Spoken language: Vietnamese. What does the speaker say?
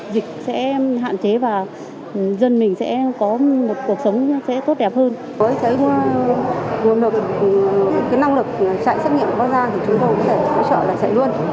với cái năng lực chạy xét nghiệm qua ra thì chúng tôi có thể hỗ trợ là chạy luôn